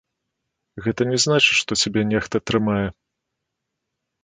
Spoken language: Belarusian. Гэта не значыць, што цябе нехта трымае.